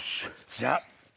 じゃあ。